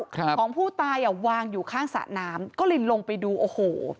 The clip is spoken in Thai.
ของผู้ตายอ่ะวางอยู่ข้างสระน้ำก็เลยลงไปดูโอ้โห